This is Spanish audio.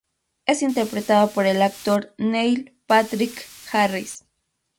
Es interpretado por el actor Neil Patrick Harris.